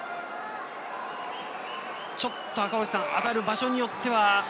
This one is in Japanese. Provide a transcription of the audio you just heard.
ちょっと当たる場所によっては。